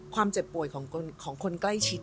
เจ็บป่วยของคนใกล้ชิด